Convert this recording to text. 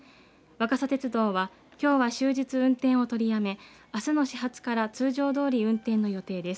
若桜鉄道はきょうは終日運転を取りやめあすの始発から通常通り運転の予定です。